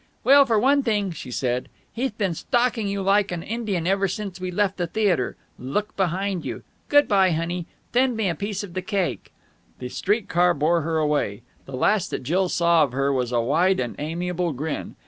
"Well, for one thing," she said, "he'th been stalking you like an Indian ever since we left the theatre! Look behind you. Good bye, honey. Thend me a piece of the cake!" The street car bore her away. The last that Jill saw of her was a wide and amiable grin.